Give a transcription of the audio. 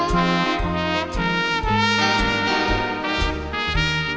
ให้สิ่งทุกข์สุขแสงเพลงดี